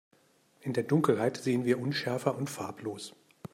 In der Dunkelheit sehen wir unschärfer und farblos.